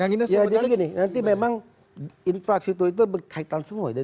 ya jadi gini nanti memang infrastruktur itu berkaitan semua ya